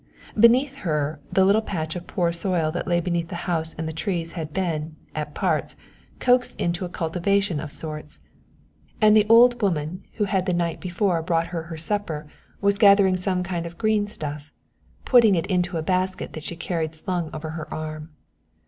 Beneath her the little patch of poor soil that lay between the house and the trees had been, at parts, coaxed into a cultivation of sorts, and the old woman who the night before had brought her supper was gathering some kind of green stuff, putting it into the basket that she carried slung over her arm.